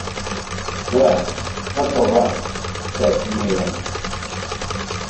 "Well, that's all right," said Merriam.